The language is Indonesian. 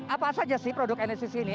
apa saja sih produk enesis ini